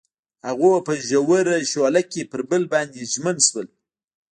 هغوی په ژور شعله کې پر بل باندې ژمن شول.